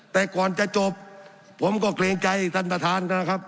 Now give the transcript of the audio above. แต่ก่อนจะจบผมก็เกรงใจท่านประธานนะครับ